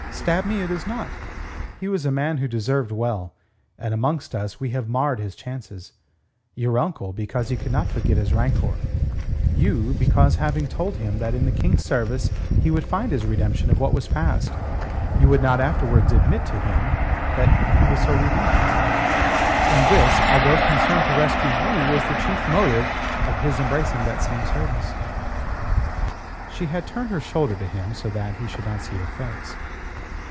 Stab me, it is not. He was a man who deserved well. And amongst us we have marred his chances: your uncle, because he could not forget his rancour; you, because... because having told him that in the King's service he would find his redemption of what was past, you would not afterwards admit to him that he was so redeemed. And this, although concern to rescue you was the chief motive of his embracing that same service." She had turned her shoulder to him so that he should not see her face.